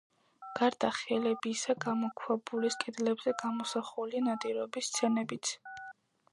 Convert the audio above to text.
გარდა ხელებისა, გამოქვაბულის კედლებზე გამოსახულია ნადირობის სცენებიც.